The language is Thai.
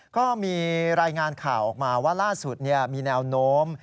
ก็มีรายงานข่าวออกมาว่าล่าสุดมีแนวโน้ม